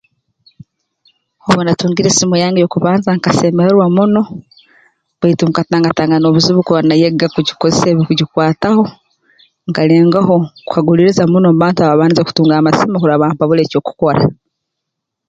Obu naatungire esimo yange ey'okubanza nkasemererwa muno baitu nkatangatangana obuzibu kurora nayega kugikozesa ebirukugikwataho nkalengaho kukaguliriza muno mu bantu abaabandize kutunga amasimu kurora bampabura eky'okukora